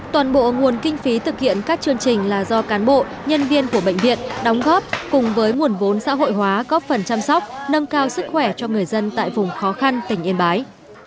toàn bộ nguồn kinh phí thực hiện các chương trình là do cán bộ nhân viên của bệnh viện đóng góp cùng với nguồn vốn xã hội hóa góp phần chăm sóc nâng cao sức khỏe cho người dân tại vùng khó khăn tỉnh yên bái